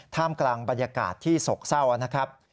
ท่ามกลางบรรยากาศที่โศกเศร้านะครับ